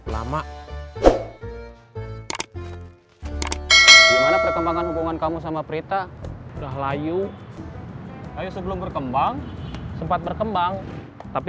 lama gimana perkembangan hubungan kamu sama prita udah layu ayo sebelum berkembang sempat berkembang tapi